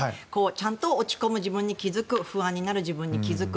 ちゃんと落ち込む自分に気付く不安になる自分に気付く。